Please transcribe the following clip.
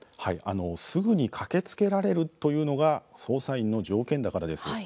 すぐに駆けつけられるというのが操作員の条件だからです。